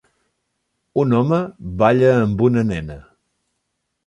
Un home balla amb una nena.